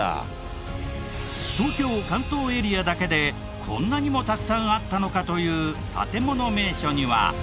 東京・関東エリアだけでこんなにもたくさんあったのかという建もの名所には。